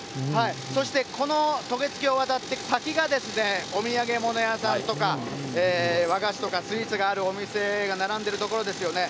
そして、この渡月橋を渡って先がですね、お土産物屋さんとか、和菓子とかスイーツがあるお店が並んでる所ですよね。